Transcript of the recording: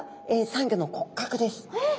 えっ。